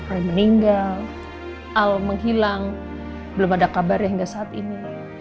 aku meninggal aku menghilang belum ada kabar hingga saat ini